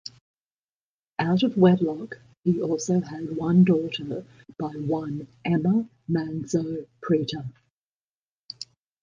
Out of wedlock, he also had one daughter by one Ema Manso Preto.